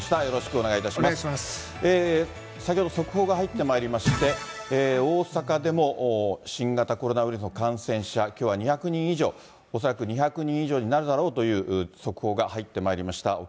先ほど、速報が入ってまいりまして、大阪でも新型コロナウイルスの感染者、きょうは２００人以上、恐らく２００人以上になるだろうという速報が入ってまいりました。